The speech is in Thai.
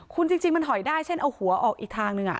คุณจริงมันถอยได้เช่นเอาหัวออกอีกทางหนึ่ง